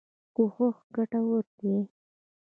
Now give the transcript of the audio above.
کوښښ ګټور دی.